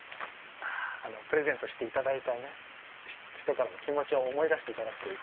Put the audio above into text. プレゼントしていただいた人からの気持ちを思い出していただく。